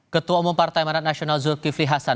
ketua umum partai manat nasional zulkifli hasan